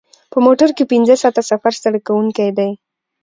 په موټر کې پنځه ساعته سفر ستړی کوونکی دی.